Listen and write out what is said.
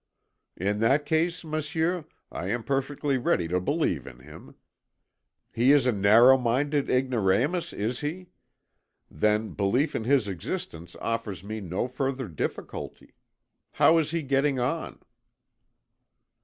"In that case, Monsieur, I am perfectly ready to believe in him. He is a narrow minded ignoramus, is he? Then belief in his existence offers me no further difficulty. How is he getting on?"